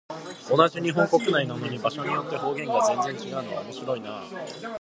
同じ日本国内なのに、場所によって方言が全然違うのは面白いなあ。